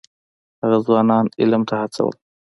هغه ځوانان علم ته هڅول.